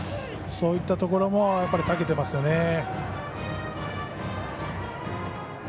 そういったところもたけてますよね。